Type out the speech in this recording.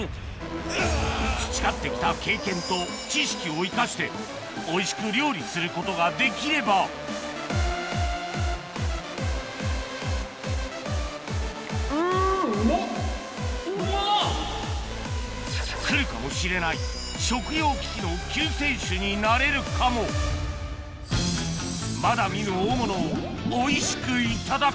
培って来た経験と知識を生かしておいしく料理することができれば来るかもしれないなれるかもまだ見ぬ大物をおいしくいただけ！